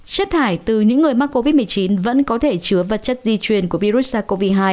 chất thải từ những người mắc covid một mươi chín vẫn có thể chứa vật chất di truyền của virus sars cov hai